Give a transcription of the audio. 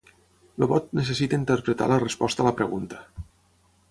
El bot necessita interpretar la resposta a la pregunta.